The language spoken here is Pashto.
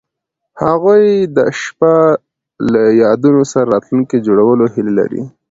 هغوی د شپه له یادونو سره راتلونکی جوړولو هیله لرله.